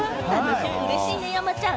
嬉しいね、山ちゃん。